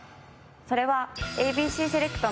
それは。